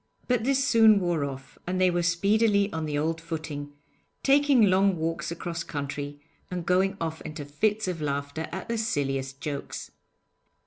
But this soon wore off, and they were speedily on the old footing, taking long walks across country, and going off into fits of laughter at the silliest jokes.